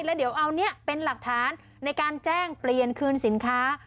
แล้วเดี๋ยวเอานี้เป็นหลักฐานในการแจ้งเปลี่ยนคืนสินค้า